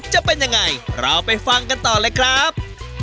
จะเป็นยังไงเราไปฟังกันต่อเลยครับ